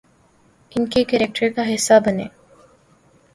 ان کے کریکٹر کا حصہ بنیں۔